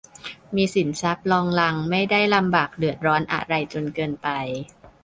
มีสินทรัพย์รองรังไม่ได้ลำบากเดือดร้อนอะไรจนเกินไป